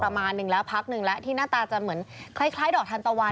ประมาณนึงแล้วพักหนึ่งแล้วที่หน้าตาจะเหมือนคล้ายดอกทันตะวัน